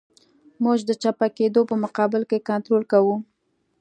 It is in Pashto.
موږ د چپه کېدو په مقابل کې کنټرول کوو